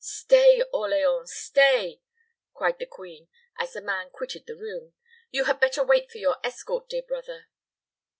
"Stay, Orleans, stay!" cried the queen, as the man quitted the room. "You had better wait for your escort, dear brother."